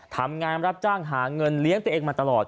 ทำงานรับจ้างหาเงินเลี้ยงตัวเองมาตลอด